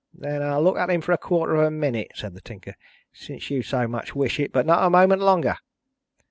"Then I'll look at him for a quarter of a minute," said the Tinker, "since you so much wish it; but not a moment longer."